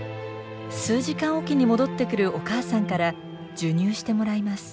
数時間おきに戻ってくるお母さんから授乳してもらいます。